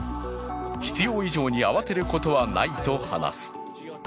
必要以上に慌てることはないと話す。